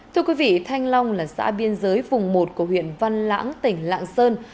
thưa quý vị thanh long là xã biên giới vùng một của huyện văn lãng tỉnh lạng sơn